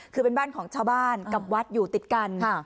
คือเป็นบ้านของชาวบ้านกับวัดอยู่ติดกัน